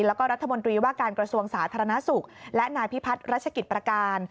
แล้วก็รัฐมนตรีว่าการกระทรวงสาธารณสุขและนายพิพัฒน์รัชกิจประการ